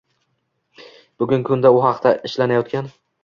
Bugungi kunda u haqida ishlanayotgan.